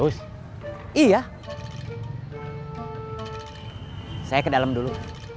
saya ke dalam dulu